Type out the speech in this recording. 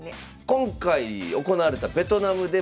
今回行われたベトナムでもですね